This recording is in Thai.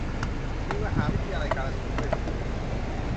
มีมหาวิทยาลัยกาฬสินธ์ด้วย เพิ่งรู้มี